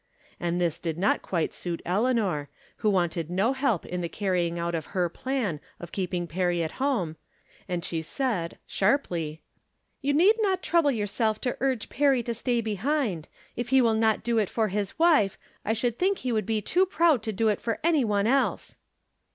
And this did not quite suit Eleanor, who wanted no help in the carrying out of her plan of keeping Perry at home, and she said, sharply :" You need not trouble yourseK to urge Perry to stay behind. If he wUl not do it for his wife I should think he would be too proud to do it for any one else."